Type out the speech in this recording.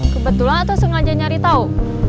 kebetulan atau sengaja nyari tau